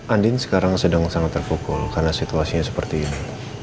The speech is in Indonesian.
andin sekarang sedang sangat terpukul karena situasinya seperti ini